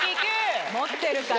持ってるから。